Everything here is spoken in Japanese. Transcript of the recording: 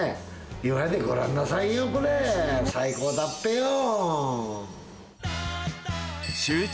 言われてごらんなさいよ、これ、最高だっぺよー。